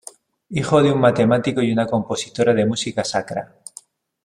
Hijo de un matemático y una compositora de música sacra.